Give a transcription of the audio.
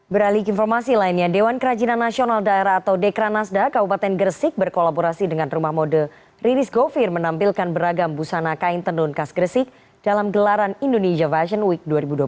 beralik informasi lainnya dewan kerajinan nasional daerah atau dekranasda kabupaten gresik berkolaborasi dengan rumah mode rilis govir menampilkan beragam busana kain tenun khas gresik dalam gelaran indonesia fashion week dua ribu dua puluh